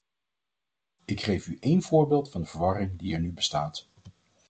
Ik geef u één voorbeeld van de verwarring die er nu bestaat.